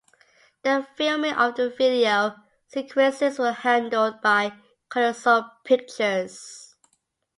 The filming of the video sequences was handled by Colossal Pictures.